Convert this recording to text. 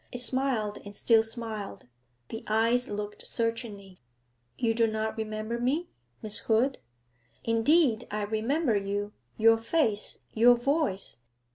It smiled and still smiled; the eyes looked searchingly. 'You do not remember me, Miss Hood?' 'Indeed, I remember you your face, your voice.